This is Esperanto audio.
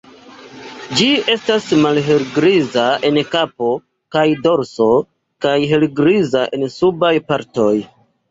Ĝi estas malhelgriza en kapo kaj dorso kaj helgriza en subaj partoj.